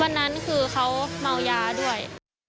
วันนั้นคือเขาเมายาด้วย